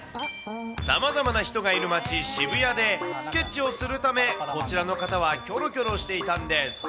さまざまな人がいる街、渋谷で、スケッチをするため、こちらの方はキョロキョロしていたんです。